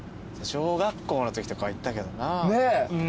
小学校のときとかは行ったけどな。